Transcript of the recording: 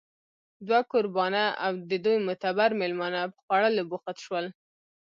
دوه کوربانه او د دوی معتبر مېلمانه په خوړلو بوخت شول